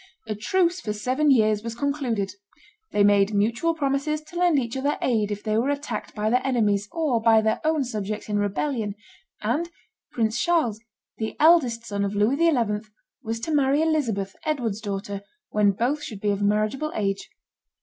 A truce for seven years was concluded; they made mutual promises to lend each other aid if they were attacked by their enemies or by their own subjects in rebellion; and Prince Charles, the eldest son of Louis XI., was to marry Elizabeth, Edward's daughter, when both should be of marriageable age.